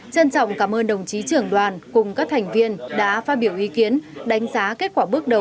trân trọng cảm ơn đồng chí trưởng đoàn cùng các thành viên đã phát biểu ý kiến đánh giá kết quả bước đầu